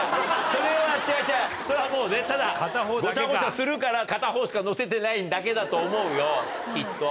それはもうねただごちゃごちゃするから片方しか載せてないだけだと思うよきっと。